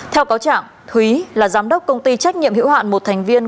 theo cáo trạng thúy là giám đốc công ty trách nhiệm hữu hạn một thành viên